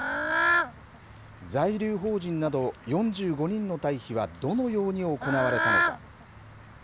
在留邦人など４５人の退避はどのように行われたのか。